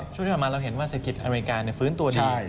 ช่วงที่ผ่านมาเราเห็นว่าเศรษฐกิจอเมริกาฟื้นตัวดี